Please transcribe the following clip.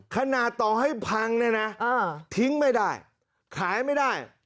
ขนาดต่อให้พังเนี่ยนะทิ้งไม่ได้ขายไม่ได้